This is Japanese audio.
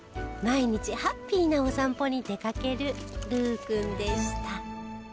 毎日ハッピーなお散歩に出かけるルーくんでした